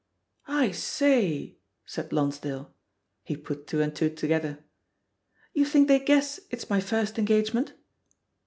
"I sayT said Lonsdale. He put two and two together. "You think they guess it's my fibrst engagement?"